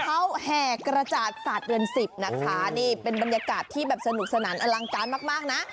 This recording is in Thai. เขาแห่กระจาดศาสตร์เดือน๑๐นะคะนี่เป็นบรรยากาศที่แบบสนุกสนานอลังการมากมากนะ